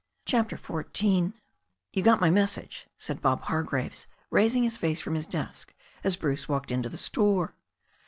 CHAPTER XIV YOU got my message," said Bob Hargraves, raising his face from his desk as Bruce walked into the store.